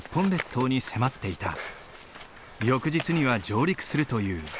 翌日には上陸するという。